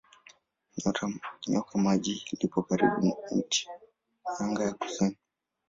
Nyoka Maji lipo karibu ncha ya anga ya kusini.